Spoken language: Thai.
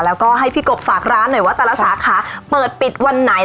แล้วก็ให้พี่กบฝากร้านหน่อยว่าแต่ละสาขาเปิดปิดวันไหน